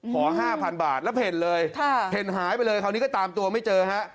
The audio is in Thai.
ขอ๕๐๐บาทแล้วเพ่นเลยเพ่นหายไปเลยคราวนี้ก็ตามตัวไม่เจอฮะ